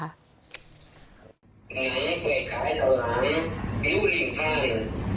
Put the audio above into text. ไหนไกลขายธวันริ้วริ่งพัง